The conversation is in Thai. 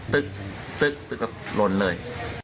ตึ๊กตึ๊กตึ๊กแล้วลนเลย